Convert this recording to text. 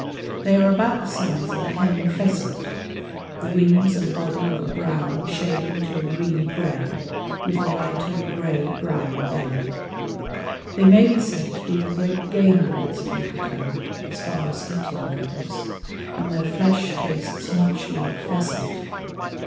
They are about the size of a hen pheasant, the wings and body of a brown shading to a greeny grey with a lighter grey brown belly. They may be said to be the great game birds of Yucatan as far as eating goes, and their flesh tastes much like pheasant.